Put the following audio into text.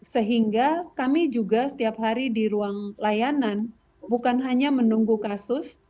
sehingga kami juga setiap hari di ruang layanan bukan hanya menunggu kasus